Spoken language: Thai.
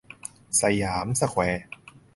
สยามสแควร์